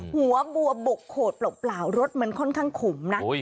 หัวบัวบกโขดเปล่ารถมันค่อนข้างขมนะ